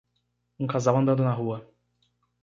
Um casal andando na rua